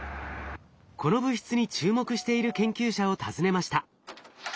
この物質に注目している研究者を訪ねました。